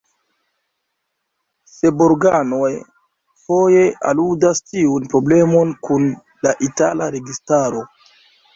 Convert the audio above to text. Seborganoj foje aludas tiun problemon kun la itala registaro.